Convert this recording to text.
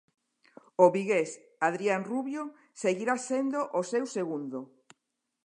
O vigués Adrián Rubio seguirá sendo o seu segundo.